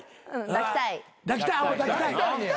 抱きたい。